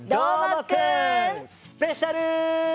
スペシャル！